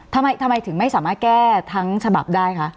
ทำไมถึงไม่สามารถแก้ทั้งฉบับได้คะ